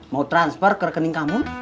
mau transfer ke rekening kamu